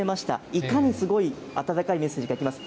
いかにすごい、温かいメッセージがあります。